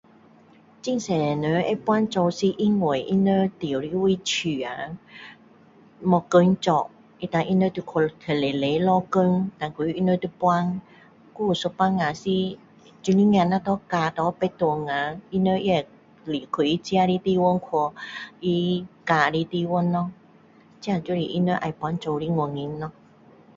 很多人会搬走是因为他们住的地方啊没工作胆他们要去外面面找工胆所以他们就要搬还有时候是女儿若把她嫁去别处啊他们也会离开自己的地方去他们嫁的地方咯这就是他们要搬走的原因咯